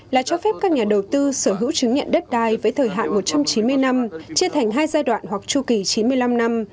là cho phép các nhà đầu tư sở hữu chứng nhận đất đai với thời hạn một trăm chín mươi năm chia thành hai giai đoạn hoặc chu kỳ chín mươi năm năm